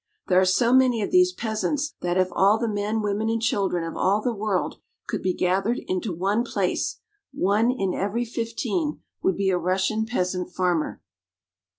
There are so many of these peasants that if all the men, women, and children of all the world could be gathered into one place, one in every fifteen would be a Russian peasant farmer.